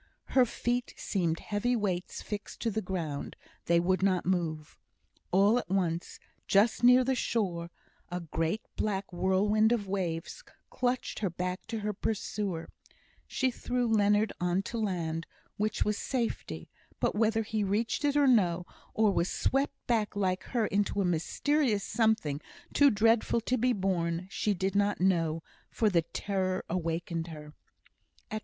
Her feet seemed heavy weights fixed to the ground; they would not move. All at once, just near the shore, a great black whirlwind of waves clutched her back to her pursuer; she threw Leonard on to land, which was safety; but whether he reached it or no, or was swept back like her into a mysterious something too dreadful to be borne, she did not know, for the terror awakened her.